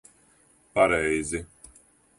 Pareizi.